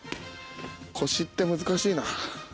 腰って難しいな。